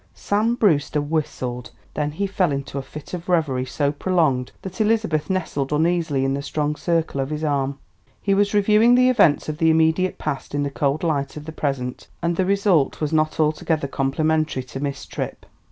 Sam Brewster whistled. Then he fell into a fit of revery so prolonged that Elizabeth nestled uneasily in the strong circle of his arm. He was reviewing the events of the immediate past in the cold light of the present, and the result was not altogether complimentary to Miss Tripp.